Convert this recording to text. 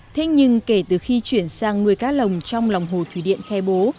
thế nhưng kể từ khi chuyển sang nuôi cá lồng trong lòng hồ thủy điện khe bố